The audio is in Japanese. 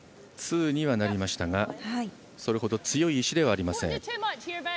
ツーにはなりましたがそれほど強い石ではありません。